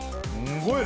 すごい。